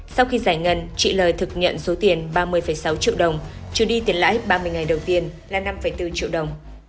sau khi giải ngân chị lời thực nhận số tiền ba mươi sáu triệu đồng trừ đi tiền lãi ba mươi ngày đầu tiên là năm bốn triệu đồng